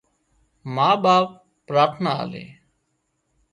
ما ٻاپ پراٿنا آلي